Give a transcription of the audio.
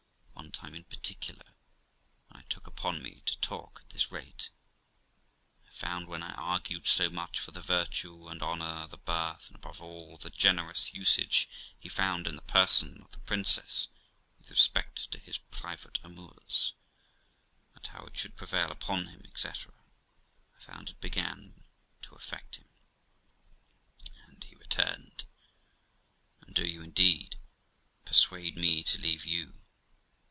One time in particular, when I took upon me to talk at this rate, I found, when THE LIFE OF ROXANA 2$ J I argued so much for the virtue and honour, the birth, and, above all, the generous usage he found in the person of the princess with respect to his private amours, and how it should prevail upon him, etc., I found it began to affect him, and he returned, ' And do you indeed ', says he, ' persuade me to leave you?